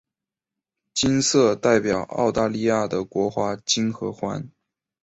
金色代表澳大利亚的国花金合欢。